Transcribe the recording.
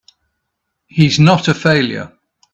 He's not a failure!